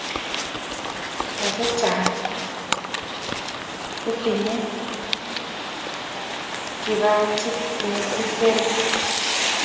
Mo che chang e tinyinekipajiit ne kiserei